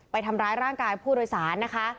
ไปทำร้ายร่างกายผู้โดยสารนะคะ